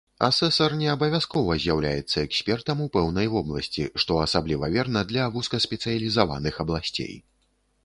Асэсар не абавязкова з'яўляецца экспертам у пэўнай вобласці, што асабліва верна для вузкаспецыялізаваных абласцей.